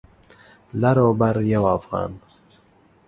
لر او بر یو افغان